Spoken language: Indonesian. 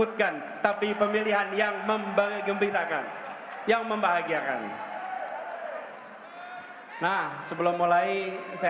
jawa tengah boleh